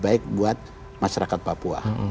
baik buat masyarakat papua